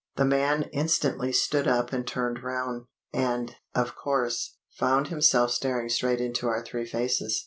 The man instantly stood up and turned round, and, of course, found himself staring straight into our three faces.